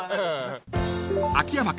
［秋山君